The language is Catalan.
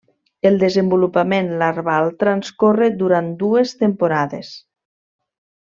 El desenvolupament larval transcorre durant dues temporades.